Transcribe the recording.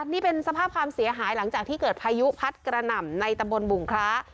นี่เป็นสภาพความเสียหายหลังจากที่เกิดพายุพัดกระหน่ำในตำบลบุงคล้า